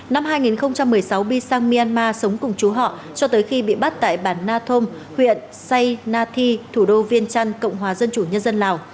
năm hai nghìn một mươi sáu my sang myanmar sống cùng chú họ cho tới khi bị bắt tại bản na thôn huyện say nathi thủ đô viên trăn cộng hòa dân chủ nhân dân lào